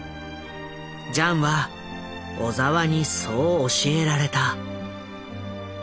ジャンは小澤にそう教えられた。